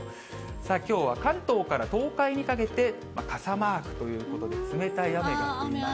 きょうは関東から東海にかけて傘マークということで、冷たい雨が降ります。